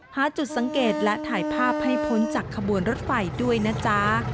หาจุดสังเกตและถ่ายภาพให้พ้นจากขบวนรถไฟด้วยนะจ๊ะ